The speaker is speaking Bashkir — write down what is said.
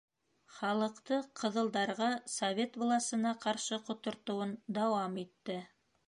Халыҡты ҡыҙылдарға, Совет власына ҡаршы ҡотортоуын дауам итте.